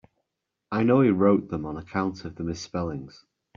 I know he wrote them on account of the misspellings.